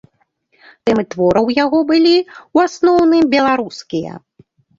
Тэмы твораў у яго былі ў асноўным беларускія.